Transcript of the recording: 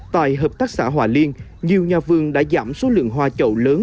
tại hợp tác xã hòa liên nhiều nhà vườn đã giảm số lượng hoa chậu lớn